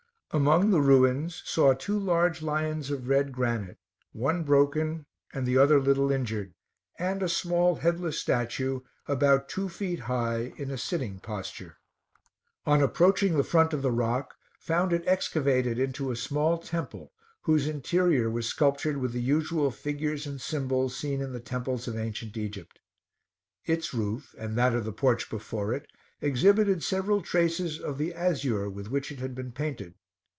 Among the ruins saw two large lions of red granite, one broken, and the other little injured, and a small headless statue, about two feet high, in a sitting posture. On approaching the front of the rock, found it excavated into a small temple, whose interior was sculptured with the usual figures and symbols seen in the temples of ancient Egypt. Its roof, and that of the porch before it, exhibited several traces of the azure with which it had been painted.